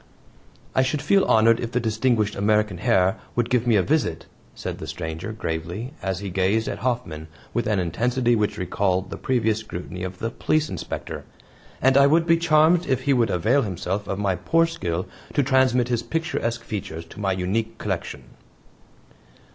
"I should feel honored if the distinguished American Herr would give me a visit," said the stranger gravely, as he gazed at Hoffman with an intensity which recalled the previous scrutiny of the Police Inspector, "and I would be charmed if he would avail himself of my poor skill to transmit his picturesque features to my unique collection."